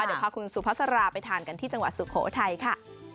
เดี๋ยวพาคุณสุภาษาราไปทานกันที่จังหวัดสุโขทัยค่ะ